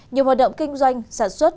nhiều hoạt động kinh doanh sản xuất